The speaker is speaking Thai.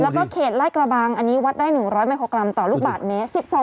แล้วก็เขตลาดกระบังอันนี้วัดได้๑๐๐ไมโครกรัมต่อลูกบาทเมตร